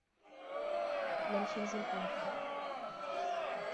Männchen sind dunkler.